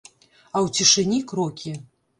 А ў цішыні крокі.